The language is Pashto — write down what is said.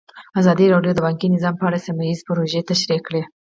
ازادي راډیو د بانکي نظام په اړه سیمه ییزې پروژې تشریح کړې.